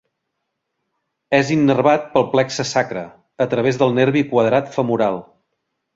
És innervat pel plexe sacre, a través del nervi quadrat femoral.